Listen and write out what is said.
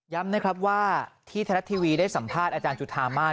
นะครับว่าที่ไทยรัฐทีวีได้สัมภาษณ์อาจารย์จุธามาศ